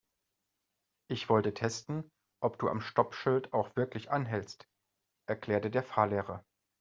Ich wollte testen, ob du am Stoppschild auch wirklich anhältst, erklärte der Fahrlehrer.